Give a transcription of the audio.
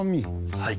はい。